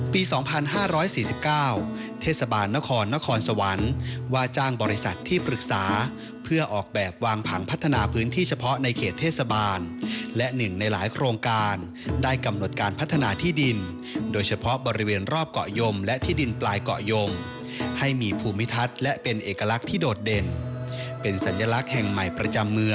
ปี๒๕๔๙เทศบาลนครนครสวรรค์ว่าจ้างบริษัทที่ปรึกษาเพื่อออกแบบวางผังพัฒนาพื้นที่เฉพาะในเขตเทศบาลและ๑ในหลายโครงการได้กำหนดการพัฒนาที่ดินโดยเฉพาะบริเวณรอบเกาะยมและที่ดินปลายเกาะยงให้มีภูมิทัศน์และเป็นเอกลักษณ์ที่โดดเด่นเป็นสัญลักษณ์แห่งใหม่ประจำเมือง